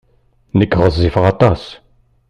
Nekk ɣezzifeɣ aṭas.